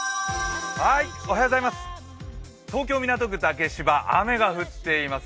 東京・港区竹芝雨が降っています。